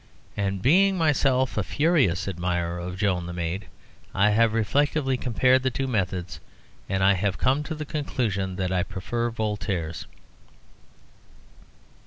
And being myself a furious admirer of Joan the Maid, I have reflectively compared the two methods, and I come to the conclusion that I prefer Voltaire's.